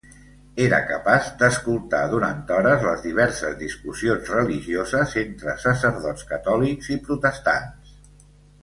Era capaç d'escoltar durant hores les diverses discussions religioses entre sacerdots catòlics i protestants.